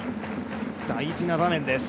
大事な場面です。